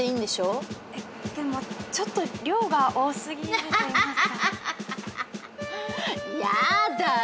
でもちょっと量が多過ぎると。